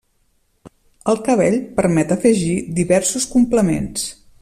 El cabell permet afegir diversos complements.